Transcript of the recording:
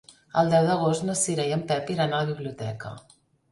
El deu d'agost na Cira i en Pep iran a la biblioteca.